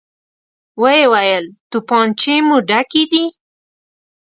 ويې ويل: توپانچې مو ډکې دي؟